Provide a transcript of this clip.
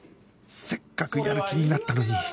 せっかくやる気になったのに